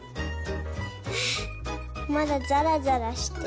あまだざらざらしてる。